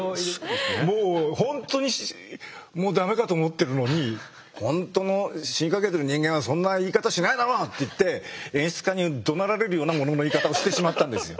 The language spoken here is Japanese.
もう本当にもうダメかと思ってるのに「本当の死にかけてる人間はそんな言い方しないだろう」って言って演出家にどなられるような物の言い方をしてしまったんですよ。